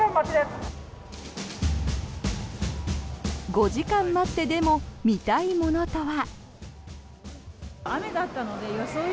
５時間待ってでも見たいものとは。